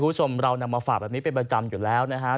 คุณผู้ชมเรานำมาฝากแบบนี้เป็นประจำอยู่แล้วนะครับ